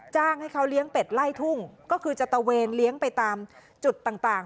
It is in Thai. จ้างให้เขาเลี้ยงเป็ดไล่ทุ่งก็คือจะตะเวนเลี้ยงไปตามจุดต่าง